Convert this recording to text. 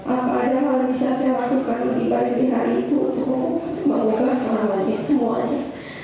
apa ada hal bisa saya lakukan lebih baik di hari itu untuk semoga semangat lagi semuanya